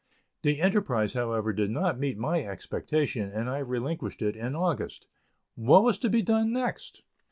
The enterprise, however, did not meet my expectation and I relinquished it in August. What was to be done next?